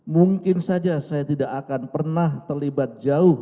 mungkin saja saya tidak akan pernah terlibat jauh